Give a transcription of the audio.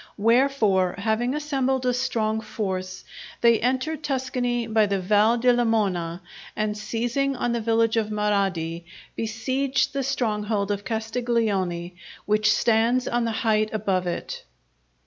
Wherefore, having assembled a strong force, they entered Tuscany by the Val di Lamona, and seizing on the village of Marradi, besieged the stronghold of Castiglione which stands on the height above it.